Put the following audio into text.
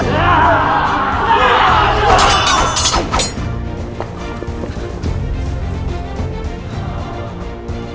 jangan sampai lolos